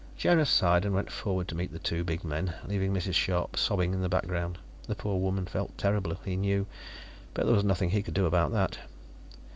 Jonas sighed and went forward to meet the two big men, leaving Mrs. Scharpe sobbing in the background. The poor woman felt terrible, he knew; but there was nothing he could do about that.